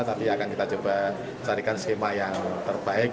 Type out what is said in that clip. tapi akan kita coba carikan skema yang terbaik